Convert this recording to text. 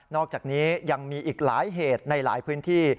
อกจากนี้ยังมีอีกหลายเหตุในหลายพื้นที่